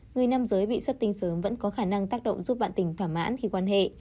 người nam giới bị xuất tinh sớm vẫn có khả năng tác động giúp bạn tình thỏa mãn khi quan hệ